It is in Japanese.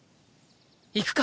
行くか！